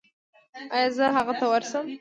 ایا زه هغه ته ورشم؟